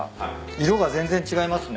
色が全然違いますね。